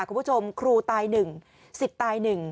คุณผู้ชมครูตายหนึ่งสิบตายหนึ่ง